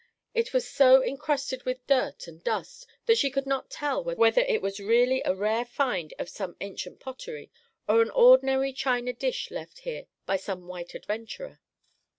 It was so incrusted with dirt and dust that she could not tell whether it was really a rare find of some ancient pottery, or an ordinary china dish left here by some white adventurer.